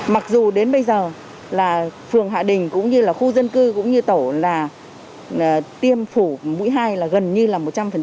mặc dù đến bây giờ là phường hạ đình cũng như là khu dân cư cũng như tổ là tiêm phủ mũi hai là gần như là một trăm linh